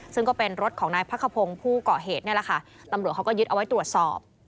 ซึ่งก็เป็นรถของนายพักครัพงผู้เกาะเหตุศาสตร์ยึดเอาไว้ตรวจสอบ